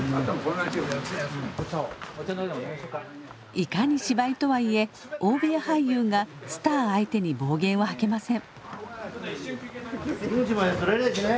いかに芝居とはいえ大部屋俳優がスター相手に暴言は吐けません。